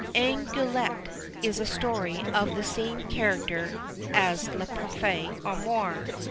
Anguillette is a story of the same character as Le Parfait Amour.